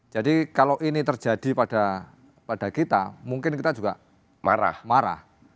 jadi kalau ini terjadi pada kita mungkin kita juga marah